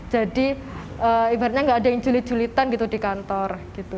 jadi ibaratnya gak ada yang julit julitan gitu di kantor gitu